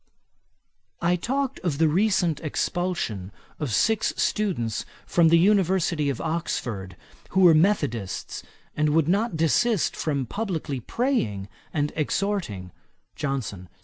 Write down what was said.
I talked of the recent expulsion of six students from the University of Oxford, who were methodists and would not desist from publickly praying and exhorting. JOHNSON.